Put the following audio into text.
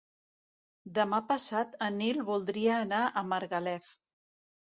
Demà passat en Nil voldria anar a Margalef.